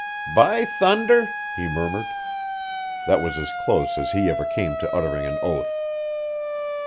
"By thunder!" he murmured. That was as close as he ever came to uttering an oath.